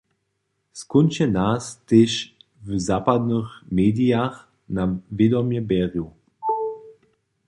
Skónčnje nas tež w zapadnych medijach na wědomje bjeru.